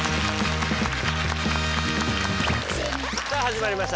さあ始まりました